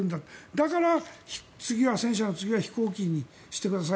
だから、戦車の次は飛行機にしてください